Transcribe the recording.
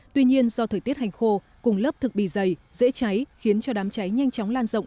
tuy nhiên do thời tiết hành khô cùng lớp thực bì dày dễ cháy khiến cho đám cháy nhanh chóng lan rộng